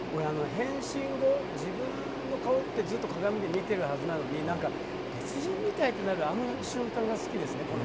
変身後、自分の顔ってずっと鏡で見てるはずなのに別人みたい！ってなるあの瞬間が好きですね。